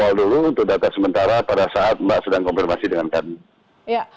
awal dulu untuk data sementara pada saat mbak sedang konfirmasi dengan kami